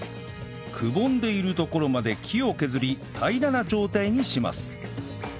くぼんでいるところまで木を削り平らな状態にします